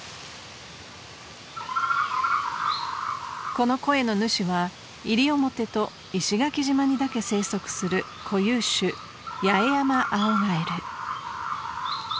［この声の主は西表と石垣島にだけ生息する固有種ヤエヤマアオガエル］